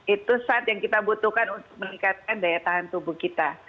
itu saat yang kita butuhkan untuk meningkatkan daya tahan tubuh kita